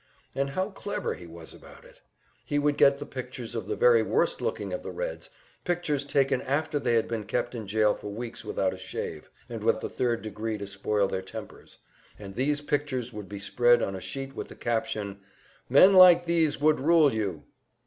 And how clever he was about it! He would get the pictures of the very worst looking of the Reds, pictures taken after they had been kept in jail for weeks without a shave, and with the third degree to spoil their tempers; and these pictures would be spread on a sheet with the caption: "MEN LIKE THESE WOULD RULE YOU."